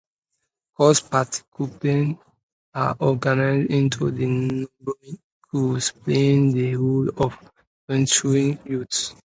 Course participants are organized into numbered Crews, playing the role of Venturing youth.